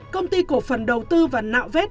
công ty cổ phần đầu tư và nạo vét